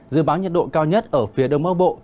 dự báo nhiệt độ cao nhất ở phía đông bắc bộ